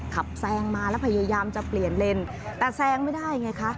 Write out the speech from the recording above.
แซงมาแล้วพยายามจะเปลี่ยนเลนแต่แซงไม่ได้ไงคะ